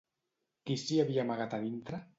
Qui s'hi havia amagat a dintre?